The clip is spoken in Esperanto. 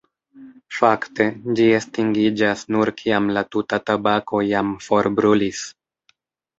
Fakte, ĝi estingiĝas nur kiam la tuta tabako jam forbrulis.